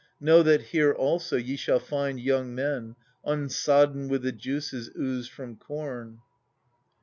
Know that here also ye shall find young men, Unsodden with the juices oozed from corn.